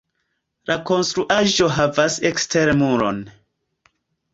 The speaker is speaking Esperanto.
La konstruaĵo havas ekstere muron.